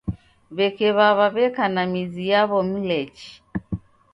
W'eke w'aw'a w'eka na mizi yaw'o Mlechi.